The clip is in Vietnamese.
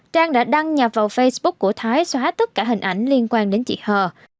trang đã đăng nhập vào facebook của thái xóa tất cả hình ảnh liên quan đến chị hờ